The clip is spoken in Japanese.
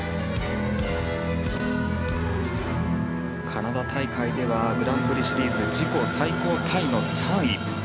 カナダ大会ではグランプリシリーズ自己最高タイの３位。